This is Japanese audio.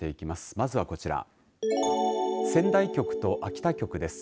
まずはこちら仙台局と秋田局です。